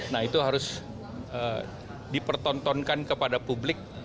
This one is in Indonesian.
nah itu harus dipertontonkan kepada publik